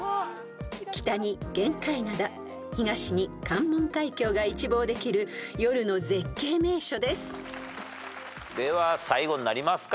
［北に玄界灘東に関門海峡が一望できる夜の絶景名所です］では最後になりますか？